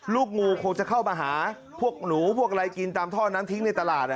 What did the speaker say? ลูกงูคงจะเข้ามาหาพวกหนูพวกอะไรกินตามท่อน้ำทิ้งในตลาด